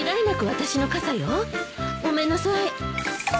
ごめんなさい。